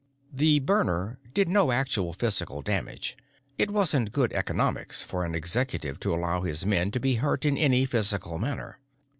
The burner did no actual physical damage; it wasn't good economics for an Executive to allow his men to be hurt in any physical manner.